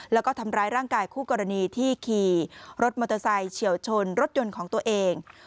แล้วก็ทำร้ายร่างกายคู่กรณีที่ขี่รถมอเตอร์ไซค์เฉียวชนรถยนต์ของตัวเอง